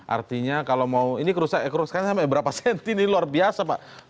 artinya kalau mau ini kerusakan sampai berapa cm ini luar biasa pak